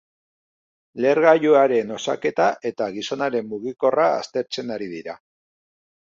Lehergailuaren osaketa eta gizonaren mugikorra aztertzen ari dira.